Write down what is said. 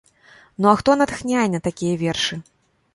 Ну, а хто натхняе на такія вершы?